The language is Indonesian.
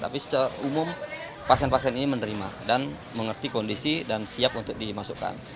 tapi secara umum pasien pasien ini menerima dan mengerti kondisi dan siap untuk dimasukkan